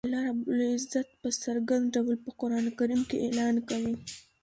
الله رب العزت په څرګند ډول په قران کریم کی اعلان کوی